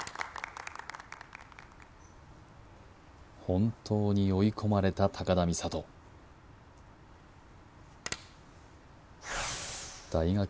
本当に追い込まれた高田実怜大学